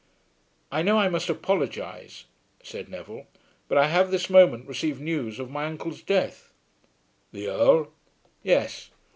"I know I must apologize," said Neville, "but I have this moment received news of my uncle's death." "The Earl?" "Yes."